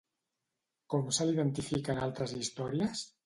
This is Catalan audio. Com se l'identifica en altres històries?